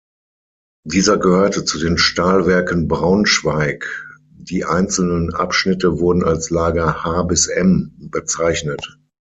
Dieser gehörte zu den Stahlwerken Braunschweig, die einzelnen Abschnitte wurden als Lager H–M bezeichnet.